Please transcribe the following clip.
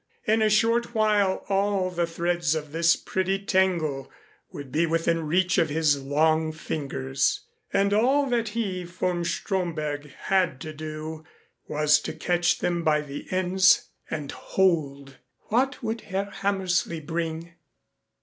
In a short while all the threads of this pretty tangle would be within reach of his long fingers. And all that he, von Stromberg, had to do was to catch them by the ends and hold. What would Herr Hammersley bring?